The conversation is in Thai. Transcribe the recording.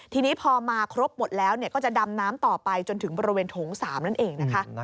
ทีนี้พอมาครบหมดแล้วก็จะดำน้ำต่อไปจนถึงบริเวณโถง๓นั่นเองนะคะ